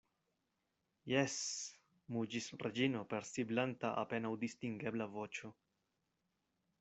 Jes, muĝis Reĝino per siblanta apenaŭ distingebla voĉo.